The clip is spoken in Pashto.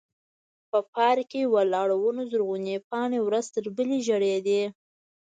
په پارک کې ولاړو ونو زرغونې پاڼې ورځ تر بلې ژړېدې.